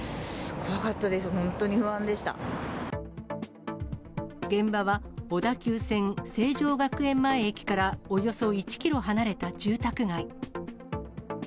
怖かったです、本当に不安で現場は、小田急線成城学園前駅からおよそ１キロ離れた住宅街。